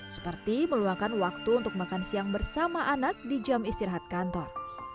seperti meluangkan waktu untuk makan siang bersama anak di jam istirahat kantor